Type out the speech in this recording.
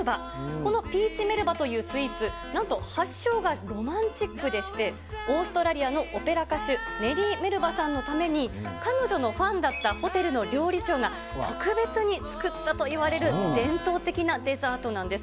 このピーチメルバというスイーツ、なんと発祥がロマンチックでして、オーストラリアのオペラ歌手、ネリー・メルバさんのために彼女のファンだったホテルの料理長が、特別に作ったといわれる伝統的なデザートなんです。